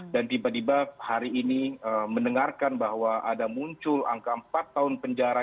dan tiba tiba hari ini mendengarkan bahwa ada muncul angka empat tahun penjara